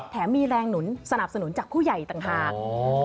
มีแรงหนุนสนับสนุนจากผู้ใหญ่ต่างหาก